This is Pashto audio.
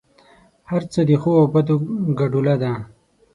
هر څه د ښو او بدو ګډوله ده.